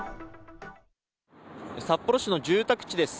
札幌市の住宅地です。